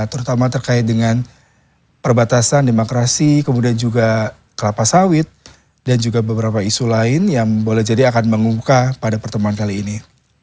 terutama terkait dengan perbatasan demokrasi kemudian juga kelapa sawit dan juga beberapa isu lain yang boleh jadi akan mengungkah pada pertemuan kali ini